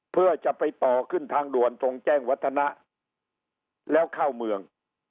เพื่อจะไปต่อขึ้นทางด่วนตรงแจ้งวัฒนะแล้วเข้าเมือง